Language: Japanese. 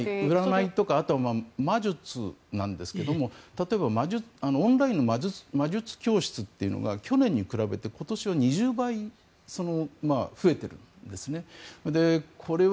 占いとか魔術なんですが例えばオンラインの魔術教室というのが去年に比べて今年は２０倍増えてるんですね。